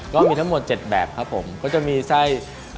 ก็มีทั้งหมด๗แบบครับผมก็จะมีไส้